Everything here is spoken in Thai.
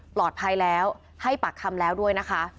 ปลอดภัยแล้วให้ปากคำแล้วด้วยนะคะ